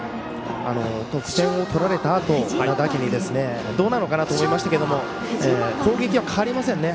得点を取られたあとだけにどうなのかなと思いましたけど攻撃は変わりませんね。